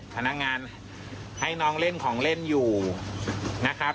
พนักงานให้น้องเล่นของเล่นอยู่นะครับ